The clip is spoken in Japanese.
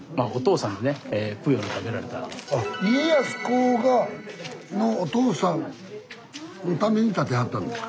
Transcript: あ家康公がのお父さんのために建てはったんですか？